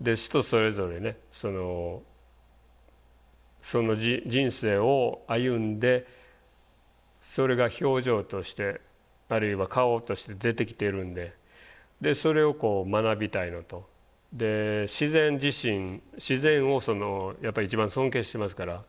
人それぞれねその人生を歩んでそれが表情としてあるいは顔として出てきてるんでそれを学びたいのとで自然自身自然をやっぱり一番尊敬してますから。